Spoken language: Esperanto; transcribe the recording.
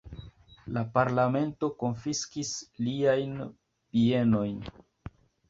La Parlamento konfiskis liajn bienojn.